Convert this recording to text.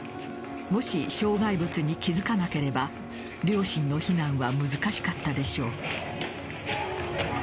もし障害物に気付かなければ両親の避難は難しかったでしょう。